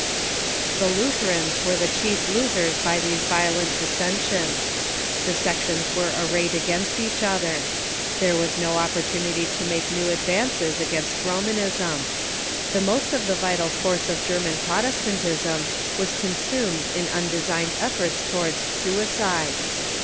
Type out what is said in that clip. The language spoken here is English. The Lutherans Avere the chief losers by these violent dissen sions. The sections were arrayed against each other. There was no opportunity to make new advances against r„ !*^!» iL Romanism. The most of the vital force of German Controversies Protestantisni was consumed in undesigned efforts towards suicide.